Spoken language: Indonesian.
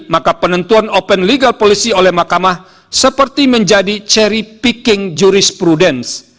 maka penentuan open legal policy oleh makamah seperti menjadi cherry picking jurisprudence